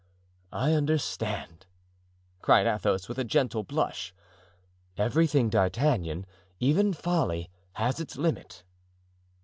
"I understand," cried Athos, with a gentle blush. "Everything, D'Artagnan, even folly, has its limit."